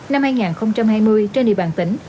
năm hai nghìn hai mươi trên địa bàn tỉnh